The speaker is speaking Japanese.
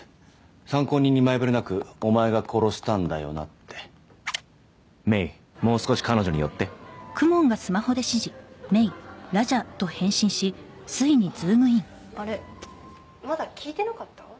参考人に前触れなく「お前が殺したんだよな」って「あっあれ？まだ聞いてなかった？」